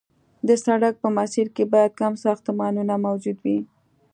د سړک په مسیر کې باید کم ساختمانونه موجود وي